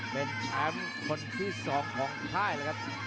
เป็นแชมป์คนที่สองของไทยนะครับ